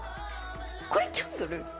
これキャンドル？